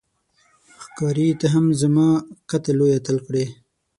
ښکاري ته هم زما قتل لوی اتل کړې